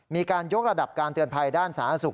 มีการยกระดับการเตือนภัยด้านสาธารณสุข